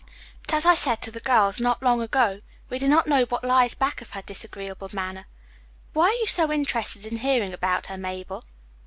But as I said to the girls not long ago, we do not know what lies back of her disagreeable manner. Why are you so interested in hearing about her, Mabel?"